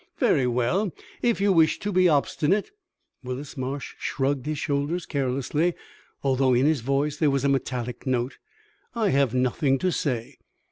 "Very well; if you wish to be obstinate " Willis Marsh shrugged his shoulders carelessly, although in his voice there was a metallic note. "I have nothing to say."